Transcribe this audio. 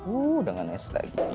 uh dengan es lagi